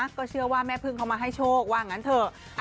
แล้วก็เชื่อว่าแม่เพิงเค้ามาให้โชคว่างั้นเถอะ